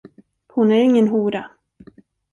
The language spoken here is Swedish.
Hon är ingen hora.